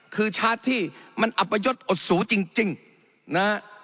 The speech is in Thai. คือชาร์จที่มันอัปยศอดสูจริงนะฮะ